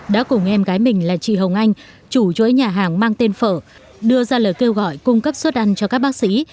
đã cùng em gái mình là chị hồng anh chủ chối nhà hàng mang tên phở đưa ra lời kêu gọi cung cấp suất ăn cho các bác sĩ